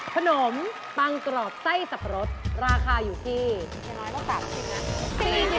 ขนมปังกรอบไส้สับปะรดราคาอยู่ที่๑๓๐นะ